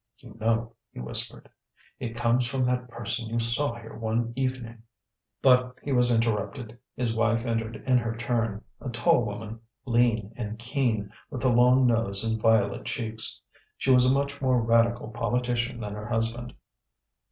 "You know," he whispered, "it comes from that person you saw here one evening." But he was interrupted. His wife entered in her turn, a tall woman, lean and keen, with a long nose and violet cheeks. She was a much more radical politician than her husband.